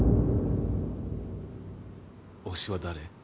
推しは誰？